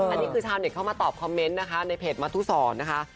อันนี้คือชาวเน็ตเข้ามาตอบคอมเมนต์นะคะในเพจมทุศรนะคะ